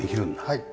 はい。